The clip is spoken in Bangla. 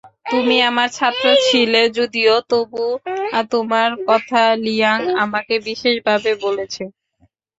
তুমি আমার ছাত্র ছিলে যদিও, তবুও তোমার কথা লিয়াং আমাকে বিশেষভাবে বলেছে।